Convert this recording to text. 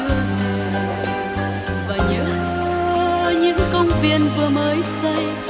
và nhớ những công viên vừa mới xây